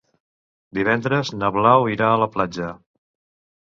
Divendres na Blau irà a la platja.